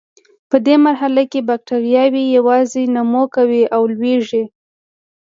په دې مرحله کې بکټریاوې یوازې نمو کوي او لویږي.